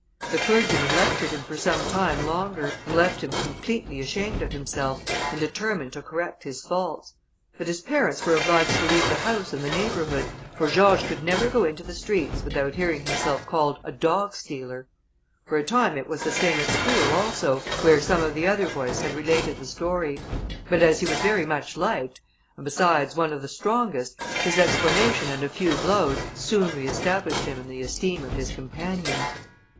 The clergyman lectured him for some time longer, and left him completely ashamed of himself, and determined to correct his faults: but his parents were obliged to leave the house and the neighbourhood, for George could never go into the streets, without hearing himself called a dog stealer. For a time it was the same at school also, where some of the other boys had related the story; but as he was very much liked, and besides one of the strongest, his explanation and a few blows soon re established him in the esteem of his companions.